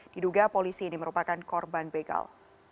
diduga polisi ini merupakan korban begal